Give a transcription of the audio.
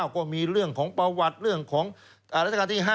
ก็มีเรื่องของประวัติเรื่องของราชการที่๕